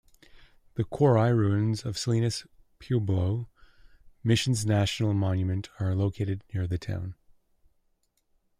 The Quarai Ruins of Salinas Pueblo Missions National Monument are located near the town.